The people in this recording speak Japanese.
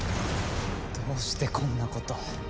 どうしてこんなこと。